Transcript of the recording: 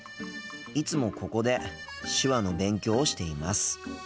いつもここで手話の勉強をしています。